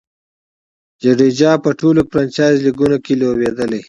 جډیجا په ټولو فرنچائز لیګونو کښي لوبېدلی.